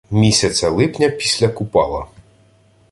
Місяця липня, після Купала